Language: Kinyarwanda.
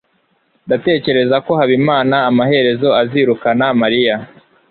ndatekereza ko habimana amaherezo azirukana mariya